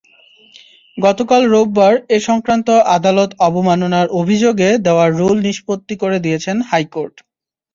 গতকাল রোববার এ–সংক্রান্ত আদালত অবমাননার অভিযোগে দেওয়া রুল নিষ্পত্তি করে দিয়েছেন হাইকোর্ট।